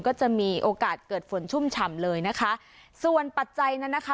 ก็จะมีโอกาสเกิดฝนชุ่มฉ่ำเลยนะคะส่วนปัจจัยนั้นนะคะ